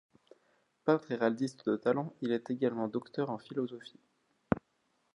Peintre héraldiste de talent, il est également docteur en philosophie.